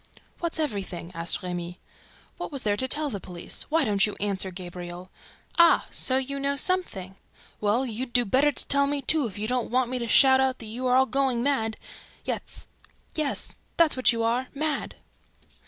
"What's everything?" asked Remy. "What was there to tell the police? Why don't you answer, Gabriel? ... Ah, so you know something! Well, you would do better to tell me, too, if you don't want me to shout out that you are all going mad! ... Yes, that's what you are: mad!"